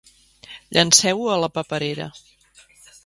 Llenceu-ho a la paperera.